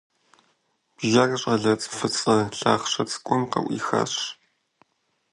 Бжэр щӀалэ фӀыцӀэ лъахъшэ цӀыкӀум къыӀуихащ.